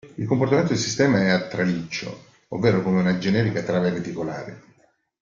Il comportamento del sistema è a traliccio, ovvero come una generica trave reticolare.